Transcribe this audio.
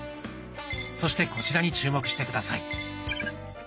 そしてこちらに注目して下さい。